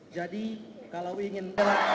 jadi kalau ingin